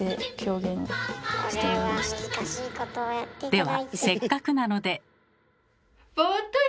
ではせっかくなので。